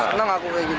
senang aku kayak gini